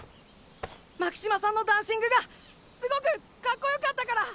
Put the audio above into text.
巻島さんのダンシングがすごくカッコよかったから。